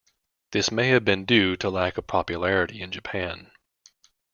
This may have been due to lack of popularity in Japan.